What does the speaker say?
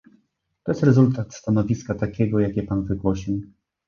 To jest rezultat stanowiska takiego, jakie pan wygłosił